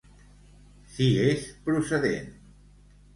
Si és procedent.